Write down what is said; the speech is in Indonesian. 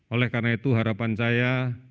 oleh karena itu harapan saya